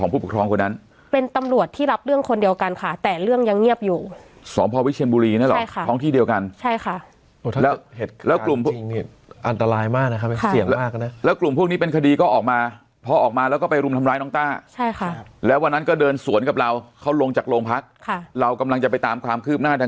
ผู้ปกครองคนนั้นเป็นตำรวจที่รับเรื่องคนเดียวกันค่ะแต่เรื่องยังเงียบอยู่สพวิเชียนบุรีนั่นแหละใช่ค่ะท้องที่เดียวกันใช่ค่ะแล้วกลุ่มผู้ก่อเหตุอันตรายมากนะครับเสี่ยงมากนะแล้วกลุ่มพวกนี้เป็นคดีก็ออกมาพอออกมาแล้วก็ไปรุมทำร้ายน้องต้าใช่ค่ะแล้ววันนั้นก็เดินสวนกับเราเขาลงจากโรงพักค่ะเรากำลังจะไปตามความคืบหน้าทาง